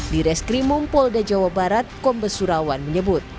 di reskrimumpol dajawa barat kombesurawan menyebut